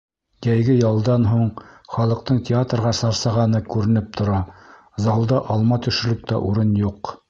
Йәйге ялдан һуң халыҡтың театрға сарсағаны күренеп тора: залда алма төшөрлөк тә урын юҡ!